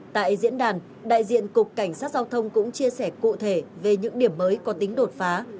tại diễn đàn đại diện cục cảnh sát giao thông cũng chia sẻ cụ thể về những điểm mới có tính đột phá